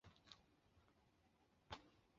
华斑盖蛛为皿蛛科盖蛛属的动物。